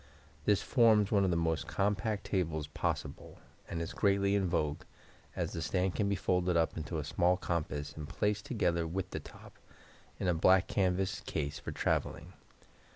This forms one of the most compact tables possible, and is greatly in vogue, as the stand can be folded up into a small compass, and placed, together with the top, in a black canvas case for traveling.